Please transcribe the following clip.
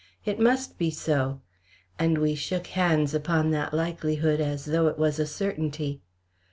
It must be so!" and we shook hands upon that likelihood as though it was a certainty.